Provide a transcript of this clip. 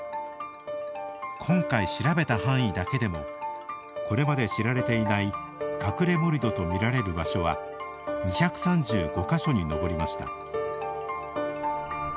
今回、調べた範囲だけでもこれまで知られていない「隠れ盛土」と見られる場所は２３５か所に上りました。